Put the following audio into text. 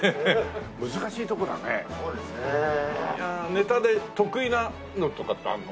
ネタで得意なのとかってあるの？